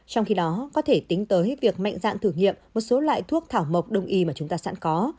trong khi đó có thể tính tới việc mạnh dạn thử nghiệm một số loại thuốc thảo mộc đông y mà chúng ta sẵn có